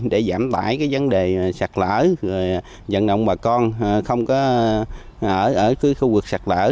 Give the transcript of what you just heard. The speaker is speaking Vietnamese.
để giảm bãi vấn đề sạt lở dẫn động bà con không có ở khu vực sạt lở